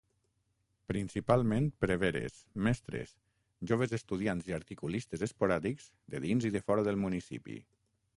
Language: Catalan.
Principalment, preveres, mestres, joves estudiants i articulistes esporàdics de dins i de fora del municipi.